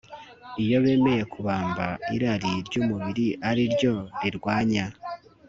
iyo bemeye kubamba irari ry'umubiri ari ryo rirwanya